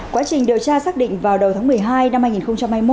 quá trình điều tra xác định vào đầu tháng một mươi hai năm hai nghìn hai mươi một